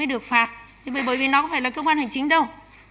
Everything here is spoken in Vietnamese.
được phạt thì bởi vì nó không phải là cơ quan hành chính đâu